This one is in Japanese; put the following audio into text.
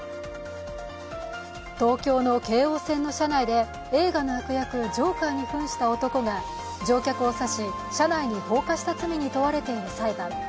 東京の京王線の車内で映画の悪役、ジョーカーにふんした男が乗客を刺し、車内に放火した罪に問われている裁判。